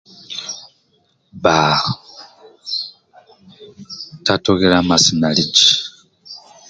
Bba tatughila masanyalazi